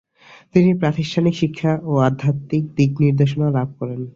তিনি প্রাতিষ্ঠানিক শিক্ষা ও আধ্যাত্মিক দিকনির্দেশনা লাভ করেন।